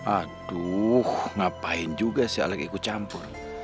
aduh ngapain juga si alex ikut campur